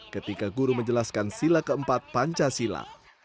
ketika guru menjelaskan sila keempat pancasila